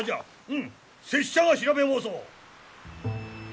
うん拙者が調べ申そう。